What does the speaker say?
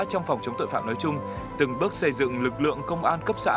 trong phòng chống tội phạm nói chung từng bước xây dựng lực lượng công an cấp xã